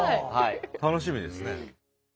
楽しみですね。